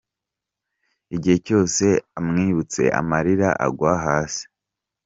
Igihe cyose amwibutse amarira agwa hasi.